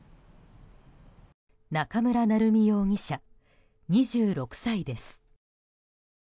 中村成美容疑者、２６歳です。